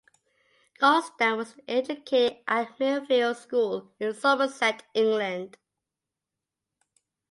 Golestan was educated at Millfield School in Somerset, England.